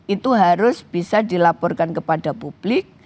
itu harus bisa dilaporkan kepada publik